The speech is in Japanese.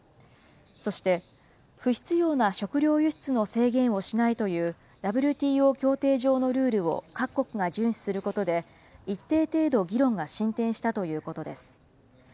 そして、不必要な食料輸出の制限をしないという、ＷＴＯ協定上のルールを各国が順守することで、一定程度議論が進展したということです。